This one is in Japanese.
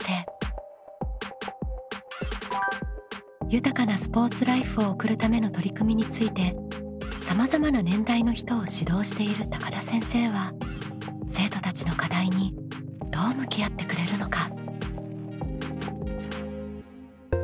豊かなスポーツライフを送るための取り組みについてさまざまな年代の人を指導している高田先生は生徒たちの課題にどう向き合ってくれるのか？